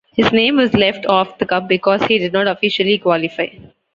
His name was left off the cup, because he did not officially qualify.